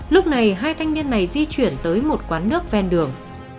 lúc này hai thanh niên này di chuyển tới một quán nước ven đường